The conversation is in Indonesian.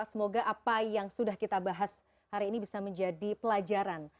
semoga apa yang sudah kita bahas hari ini bisa menjadi pelajaran